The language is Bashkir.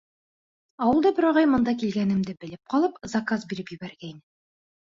Ауылда бер ағай бында килгәнемде белеп ҡалып, заказ биреп ебәргәйне.